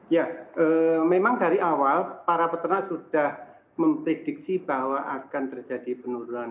ya memang dari awal para peternak sudah memprediksi bahwa akan terjadi penurunan